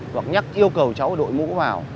hoặc nhắc yêu cầu cháu đội mũ vào